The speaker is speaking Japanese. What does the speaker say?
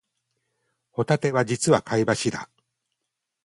ホタテは実は貝柱